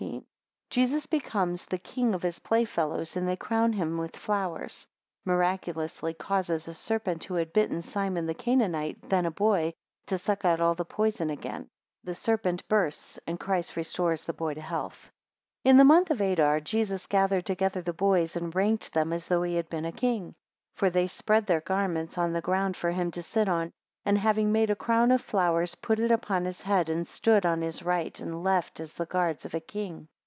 1 Jesus becomes the king of his playfellows, and they crown him with flowers; 4 miraculously causes a serpent who had bitten Simon the Canaanite, then a boy, to suck out all the poison again; 16 the serpent bursts, and Christ restores the boy to health. IN the month Adar Jesus gathered together the boys, and ranked them as though he had been a king. 2 For they spread their garments on the ground for him to sit on; and having made a crown of flowers, put it upon his head, and stood on his right and left as the guards of a king.